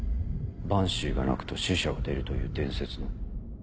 バンシーが泣くと死者が出るという伝説の。